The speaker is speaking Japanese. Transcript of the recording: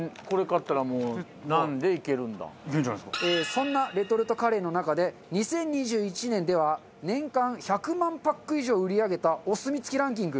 そんなレトルトカレーの中で２０２１年では年間１００万パック以上売り上げた「お墨付き」ランキング